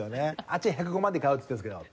「あっちは１０５万で買うって言ってるんですけど」。